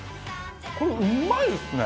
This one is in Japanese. これうまいですね！